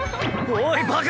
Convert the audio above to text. おいバカ！